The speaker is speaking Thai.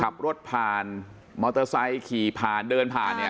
ขับรถผ่านมอเตอร์ไซค์ขี่ผ่านเดินผ่านเนี่ย